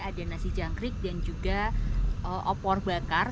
ada nasi jangkrik dan juga opor bakar